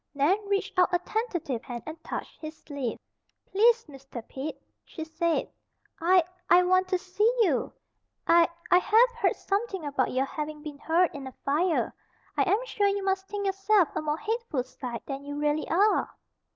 Nan reached out a tentative hand and touched his sleeve. "Please, Mr. Pete," she said. "I, I want to see you. I, I have heard something about your having been hurt in a fire. I am sure you must think yourself a more hateful sight than you really are."